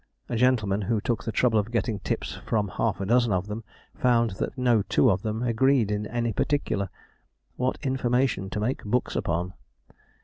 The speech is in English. A gentleman who took the trouble of getting tips from half a dozen of them, found that no two of them agreed in any particular. What information to make books upon!